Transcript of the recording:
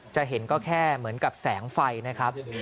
จะเห็นก็แค่เหมือนกับแสงไฟนะครับ